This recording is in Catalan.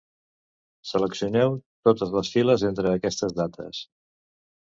Seleccioneu totes les files entre aquestes dates.